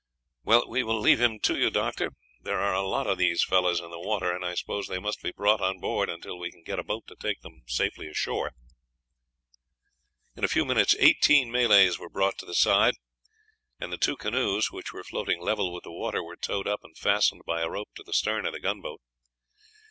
"Well, we will leave him to you, Doctor; there are a lot of these fellows in the water, and I suppose they must be brought on board until we can get a boat to take them ashore." In a few minutes eighteen Malays were brought to the side, and the two canoes, which were floating level with the water, were towed up and fastened by a rope to the stern of the gunboat.